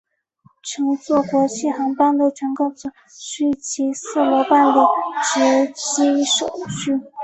乘坐国际航班的乘客则需至四楼办理值机手续。